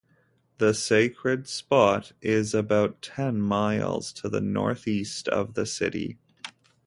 The sacred spot is about ten miles to the northeast of the city.